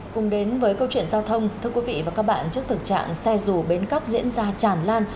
cùng đến với câu chuyện giao thông thưa quý vị và các bạn trước thực trạng xe dù bến cóc diễn ra tràn lan